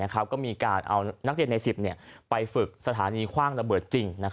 ก็มีการเอานักเรียนใน๑๐ไปฝึกสถานีคว่างระเบิดจริง